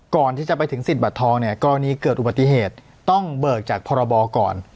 ก่อนที่จะไปถึงสิทธิบัตรทองเนี่ยกรณีเกิดอุบัติเหตุต้องเบิกจากพรบก่อน